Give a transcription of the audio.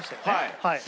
はい。